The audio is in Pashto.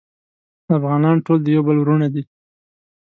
افغانان ټول د یو بل وروڼه دی